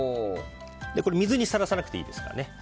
これ水にさらさなくていいですから。